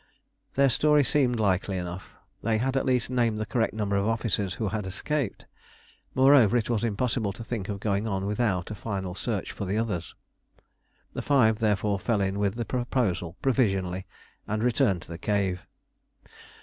Their story seemed likely enough; they had at least named the correct number of officers who had escaped. Moreover, it was impossible to think of going on without a final search for the others. The five therefore fell in with the proposal provisionally and returned to the cave.